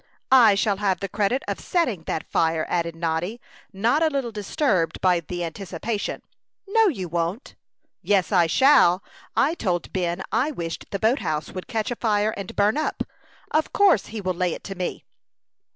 "I shall have the credit of setting that fire," added Noddy, not a little disturbed by the anticipation. "No, you won't." "Yes, I shall. I told Ben I wished the boat house would catch afire and burn up. Of course he will lay it to me."